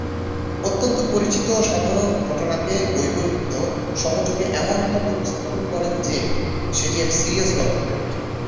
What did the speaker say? অত্যন্ত পরিচিত ও সাধারণ ঘটনাকে বৈপরীত্য সহযোগে এমনভাবে উপস্থাপন করেন যে, সেটি এক সিরিয়াস গল্প হয়ে ওঠে।